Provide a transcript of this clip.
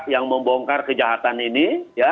yang membongkar kejahatan ini